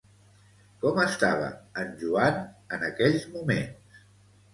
Com estava en Joan en aquells moments?